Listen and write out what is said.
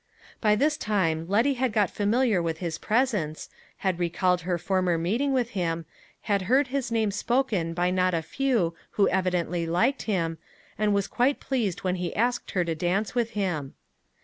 By this time Letty had got familiar with his presence, had recalled her former meeting with him, had heard his name spoken by not a few who evidently liked him, and was quite pleased when he asked her to dance with him.